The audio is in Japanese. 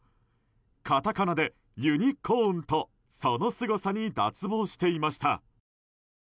カタカナでユニコーンとそのすごさに脱帽していました。